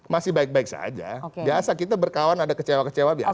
masih baik baik saja biasa kita berkawan ada kecewa kecewa biasa